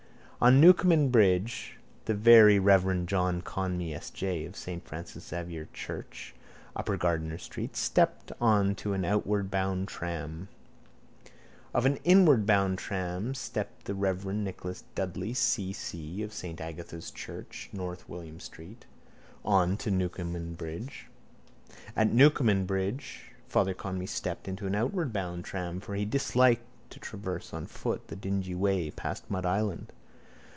On Newcomen bridge the very reverend John Conmee S. J. of saint Francis Xavier's church, upper Gardiner street, stepped on to an outward bound tram. Off an inward bound tram stepped the reverend Nicholas Dudley C. C. of saint Agatha's church, north William street, on to Newcomen bridge. At Newcomen bridge Father Conmee stepped into an outward bound tram for he disliked to traverse on foot the dingy way past Mud Island.